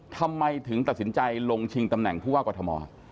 ทำไมถึงตัดสินใจลงชิงตำแหน่งผู้ว่ากอทม